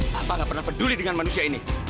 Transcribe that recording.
papa gak pernah peduli dengan manusia ini